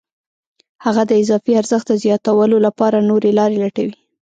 هغه د اضافي ارزښت د زیاتولو لپاره نورې لارې لټوي